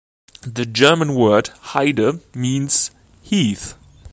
The German word "Heide" means "heath".